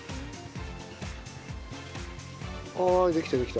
ああできたできた。